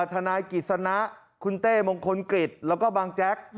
ทนายกิจสนะคุณเต้มงคลกฤษแล้วก็บางแจ๊ก